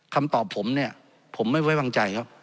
คำตอบผมเนี่ยผมไม่ไว้วางใจครับ